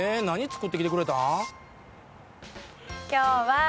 何作ってきてくれたん？」